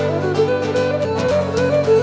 ม่วยโบราณค่ะ